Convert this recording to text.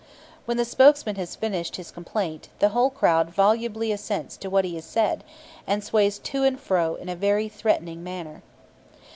When the spokesman has finished his complaint, the whole crowd volubly assents to what he has said, and sways to and fro in a very threatening manner.